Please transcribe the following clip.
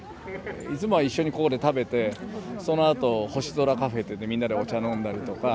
いつもは一緒にここで食べてそのあと星空カフェっていってみんなでお茶飲んだりとか。